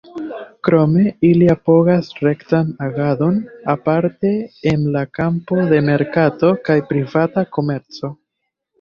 Krome, ili apogas rektan agadon, aparte en la kampo de merkato kaj privata komerco.